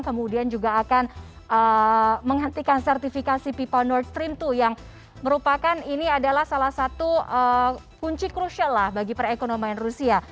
kemudian juga akan menghentikan sertifikasi pipa nort stream dua yang merupakan ini adalah salah satu kunci crucial lah bagi perekonomian rusia